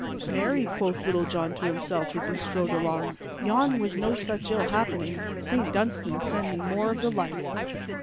"Marry," quoth Little John to himself, as he strode along, "yon was no such ill happening; Saint Dunstan send me more of the like."